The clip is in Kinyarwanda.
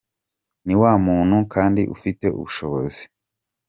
Ni wa muntu kandi ufite ubushobozi